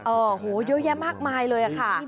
โอ้โหเยอะแยะมากมายเลยค่ะ